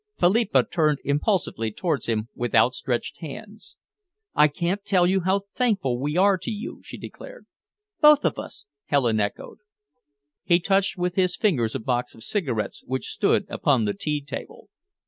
Philippa turned impulsively towards him with outstretched hands. "I can't tell you how thankful we are to you," she declared. "Both of us," Helen echoed. He touched with his fingers a box of cigarettes which stood upon the tea table.